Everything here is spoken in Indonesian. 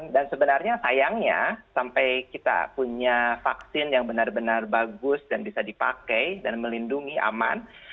dan sebenarnya sayangnya sampai kita punya vaksin yang benar benar bagus dan bisa dipakai dan melindungi aman